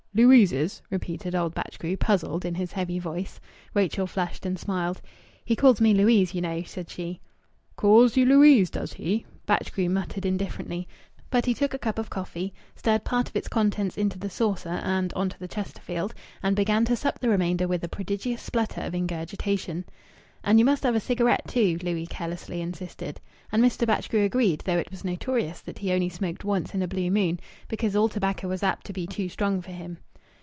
"Louise's?" repeated old Batchgrew, puzzled, in his heavy voice. Rachel flushed and smiled. "He calls me Louise, you know," said she. "Calls you Louise, does he?" Batchgrew muttered indifferently. But he took a cup of coffee, stirred part of its contents into the saucer and on to the Chesterfield, and began to sup the remainder with a prodigious splutter of ingurgitation. "And you must have a cigarette, too," Louis carelessly insisted. And Mr. Batchgrew agreed, though it was notorious that he only smoked once in a blue moon, because all tobacco was apt to be too strong for him.